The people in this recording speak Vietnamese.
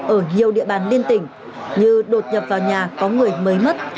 ở nhiều địa bàn liên tỉnh như đột nhập vào nhà có người mới mất